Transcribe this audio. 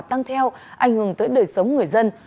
tăng theo ảnh hưởng tới đời sống người dân